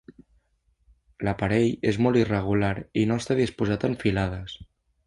L'aparell és molt irregular i no està disposat en filades.